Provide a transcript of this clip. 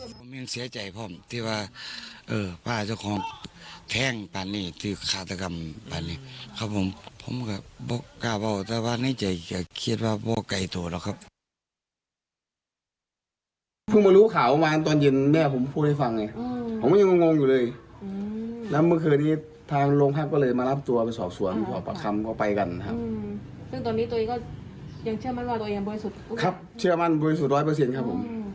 ตอนนี้ตายียก็ยังเชื่อมั่นว่าตายียังบริคนาคมไปกันครับครับเชื่อมั่นบริคนาคมบริสุทธิ์๑๐๐ครับค่ะ